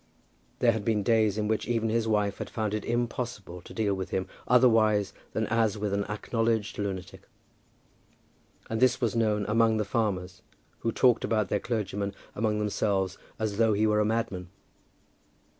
There had been days in which even his wife had found it impossible to deal with him otherwise than as with an acknowledged lunatic. And this was known among the farmers, who talked about their clergyman among themselves as though he were a madman.